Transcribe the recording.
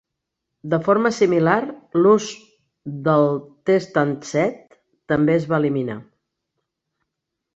De forma similar, l'ús del "test-and-set" també es va eliminar.